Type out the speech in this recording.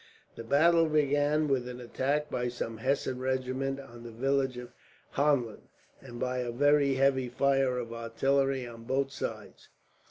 The battle began with an attack by some Hessian regiments on the village of Hahlen, and by a very heavy fire of artillery on both sides.